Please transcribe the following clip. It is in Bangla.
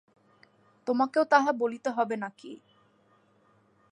তোমাকেও তাহা বলিতে হইবে নাকি?